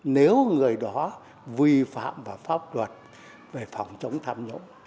nếu người đó vi phạm vào pháp luật về phòng chống tham nhũng